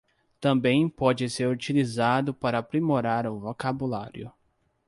Também pode ser utilizado para aprimorar o vocabulário